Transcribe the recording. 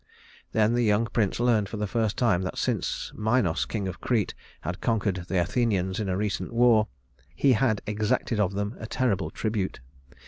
Then the young prince learned for the first time that since Minos, king of Crete, had conquered the Athenians in a recent war, he had exacted of them a terrible tribute.